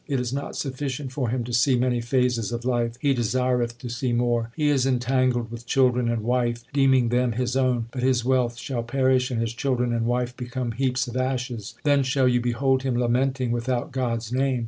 It is not sufficient for him to see many phases of life ; he desireth to see more ; He is entangled with children and wife, deeming them his own ; But his wealth shall perish, and his children and wife become heaps of ashes ; Then shall you behold him lamenting without God s name.